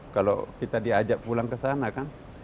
kalau kita diajak pulang kesana kan